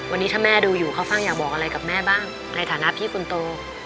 วันนี้ถ้าแม่ดูอยู่ข้าวฟ่างอยากบอกอะไรกับแม่บ้างในฐานะที่คุณโต